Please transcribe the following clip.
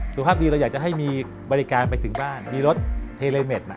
สุขภาพดีเราอยากจะให้มีบริการไปถึงบ้านมีรถเทเลเมดมา